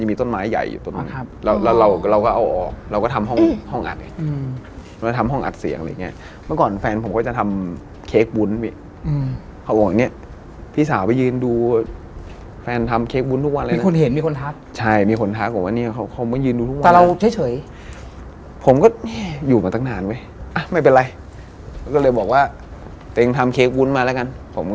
ช็อกดิจะเรืออ่ะพี่รุ่นพี่ผมก็ปิดประตู